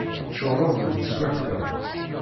Tceɣleḍ deg teswiεt-a?